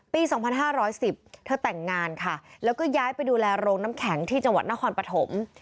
ปี๒๕๑๐เธอแต่งงานค่ะแล้วก็ย้ายไปดูแลโรงน้ำแข็งที่จังหวัดนครปฐม